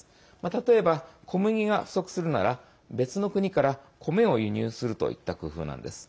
例えば、小麦が不足するなら別の国から米を輸入するといった工夫なんです。